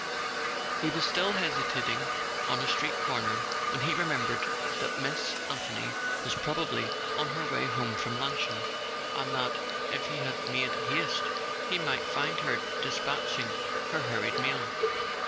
He was still hesitating on a street corner when he remembered that Miss Anthony was probably on her way home for luncheon, and that if he made haste he might find her despatching her hurried meal.